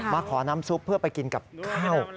มาขอน้ำซุปเพื่อไปกินกับข้าว